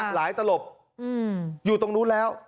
หลายตลบอยู่ตรงนู้นแล้ว